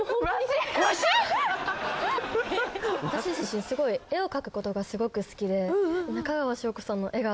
私自身すごい絵を描くことがすごく好きで中川翔子さんだって！